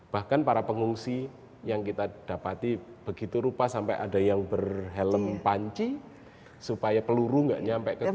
bahkan para pengungsi yang kita dapati begitu rupa sampai ada yang berhelm panci supaya peluru nggak nyampe ke rumah